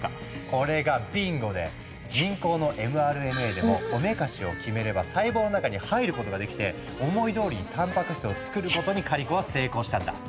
これがビンゴで人工のｍＲＮＡでもおめかしをキメれば細胞の中に入ることができて思いどおりにたんぱく質をつくることにカリコは成功したんだ。